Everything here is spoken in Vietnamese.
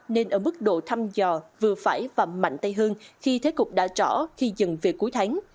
nên ở mức độ thăm dò vừa phải và mạnh tay hơn khi thấy cục đã rõ khi dừng về cuối tháng